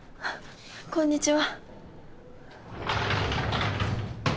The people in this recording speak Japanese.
こんにちは。